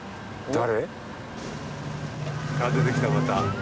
誰？